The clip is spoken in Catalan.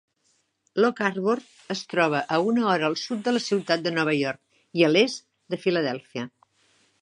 Loch Arbor es troba a una hora al sud de la ciutat de Nova York i a l'est de Filadèlfia.